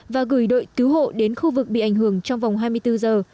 và gửi đội cứu hộ đến khu vực bị ảnh hưởng trong vòng hai mươi bốn giờ